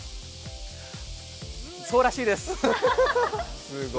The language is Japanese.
そうらしいです。